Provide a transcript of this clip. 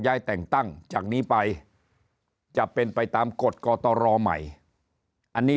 ย้ายแต่งตั้งจากนี้ไปจะเป็นไปตามกฎกตรใหม่อันนี้